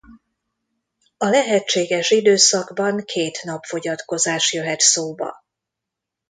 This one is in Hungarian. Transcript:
A lehetséges időszakban két napfogyatkozás jöhet szóba.